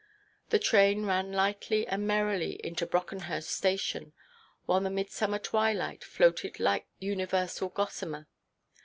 The train ran lightly and merrily into Brockenhurst Station, while the midsummer twilight floated like universal gossamer.